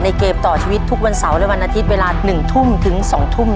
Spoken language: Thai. เกมต่อชีวิตทุกวันเสาร์และวันอาทิตย์เวลา๑ทุ่มถึง๒ทุ่ม